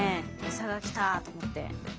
餌が来たと思って。